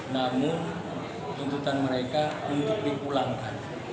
namun tuntutan mereka untuk dipulangkan